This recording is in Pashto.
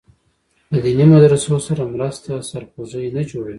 له دیني مدرسو سره مرسته سرخوږی نه جوړوي.